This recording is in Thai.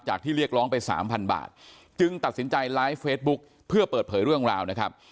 ที่เรียกร้องไปสามพันบาทจึงตัดสินใจไลฟ์เฟซบุ๊คเพื่อเปิดเผยเรื่องราวนะครับ